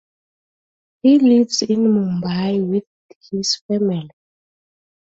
He lives in Mumbai with his family.